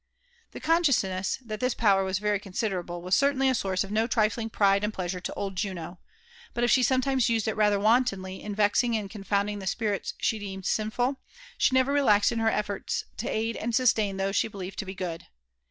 The consciousness that this power was very considerable, was cer * tainly a source of no triOing pride and pleasure to old Juno ; but if she sometimes used it rather wantonly in vexing and confounding the spirits she deemed sinful, she never relaxed in her efforts to aid and sustain those she believed to be good.